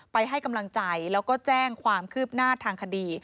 ให้กำลังใจแล้วก็แจ้งความคืบหน้าทางคดี